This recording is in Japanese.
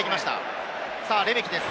レメキです。